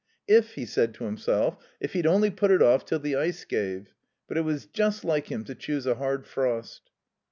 "If," he said to himself, "if he'd only put it off till the ice gave. But it was just like him to choose a hard frost."